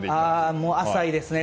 もう浅いですね。